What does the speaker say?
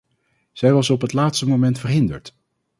Zij was op het laatste moment verhinderd.